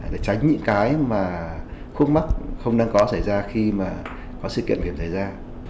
để tránh những cái mà khúc mắc không đang có xảy ra khi mà có sự kiện nguy hiểm xảy ra